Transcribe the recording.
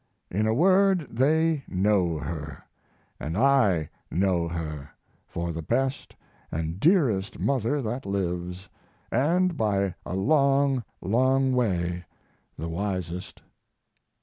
In a word, they know her, and I know her, for the best and dearest mother that lives and by a long, long way the wisest....